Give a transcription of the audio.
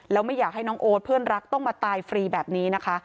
แล้วไม่อยากให้น้องโอ๊ตเพื่อนรักต้องมาตายฟรีแบบนี้นะคะ